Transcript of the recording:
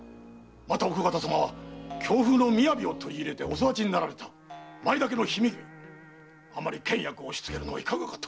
奥方様は京風の雅びを取り入れてお育ちになられた前田家の姫君あまり倹約を押しつけるのはいかがかと。